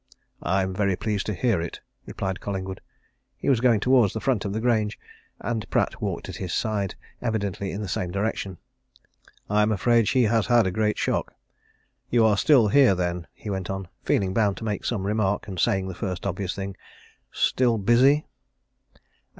"I'm very pleased to hear it," replied Collingwood. He was going towards the front of the Grange, and Pratt walked at his side, evidently in the same direction. "I am afraid she has had a great shock. You are still here, then?" he went on, feeling bound to make some remark, and saying the first obvious thing. "Still busy?"